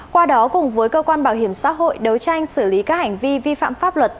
qua đó cùng với cơ quan bảo hiểm xã hội đấu tranh xử lý các hành vi vi phạm pháp luật